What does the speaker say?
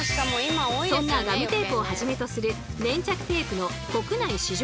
そんなガムテープをはじめとする粘着テープの国内市場